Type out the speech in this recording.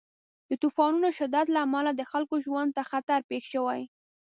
د طوفانونو د شدت له امله د خلکو ژوند ته خطر پېښ شوی.